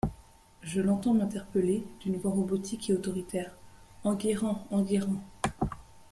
Je l’entends m’interpeller, d’une voix robotique et autoritaire: — Enguerrand, Enguerrand!